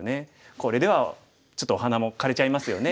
これではちょっとお花も枯れちゃいますよね。